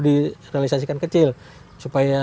direalisasikan kecil supaya